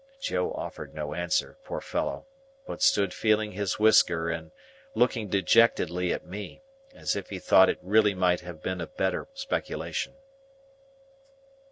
Joe offered no answer, poor fellow, but stood feeling his whisker and looking dejectedly at me, as if he thought it really might have been a better speculation.